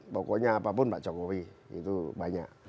pokoknya apapun pak jokowi itu banyak